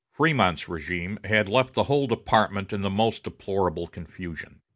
Frémont's régime had left the whole department in the most deplorable confusion.